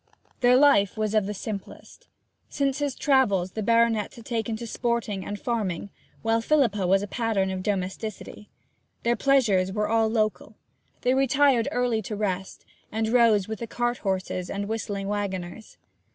Their life was of the simplest. Since his travels the baronet had taken to sporting and farming; while Philippa was a pattern of domesticity. Their pleasures were all local. They retired early to rest, and rose with the cart horses and whistling waggoners.